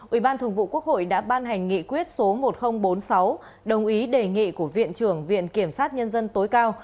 ủy ban thường vụ quốc hội đã ban hành nghị quyết số một nghìn bốn mươi sáu đồng ý đề nghị của viện trưởng viện kiểm sát nhân dân tối cao